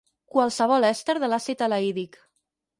Qualsevol èster de l'àcid elaídic.